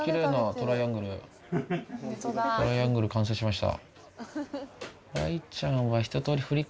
トライアングル完成しました。